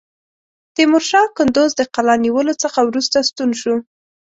تیمورشاه کندوز د قلا نیولو څخه وروسته ستون شو.